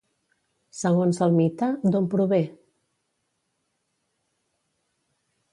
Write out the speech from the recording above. Segons el mite, d'on prové?